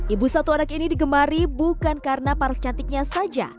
ibu satu anak ini digemari bukan karena paras cantiknya saja